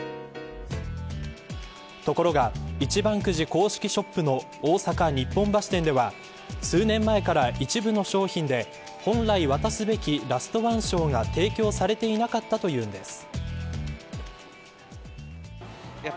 ところが一番くじ公式ショップの大阪日本橋店では数年前から一部の商品で本来渡すべき、ラストワン賞が提供されていなかったというのです。